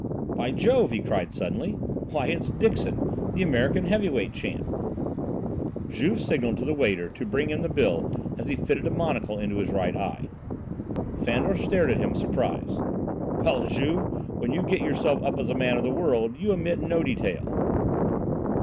"By Jove!" he cried suddenly. "Why it's Dixon, the American heavyweight champion!" Juve signalled to the waiter to bring him the bill as he fitted a monocle into his right eye. Fandor stared at him, surprised. "Well, Juve, when you get yourself up as a man of the world, you omit no detail."